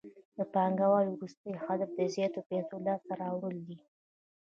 د پانګوال وروستی هدف د زیاتو پیسو لاسته راوړل دي